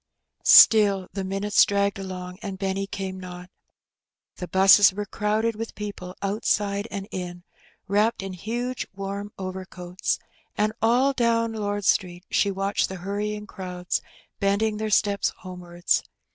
Still the minutes dragged along, and Benny came not. The ^busses were crowded with people outside and in, wrapped in huge warm overcoats, and all down Lord Street she watched the hurrying crowds bending their steps homewards.